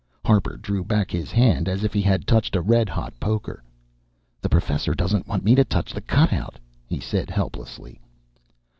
Harper drew back his hand as if he had touched a red hot poker. "The Professor doesn't want me to touch the cutout," he said helplessly.